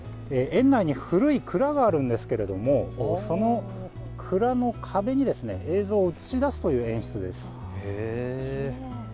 園内に古い蔵があるんですけれどもその蔵の壁に映像を映し出すという演出です。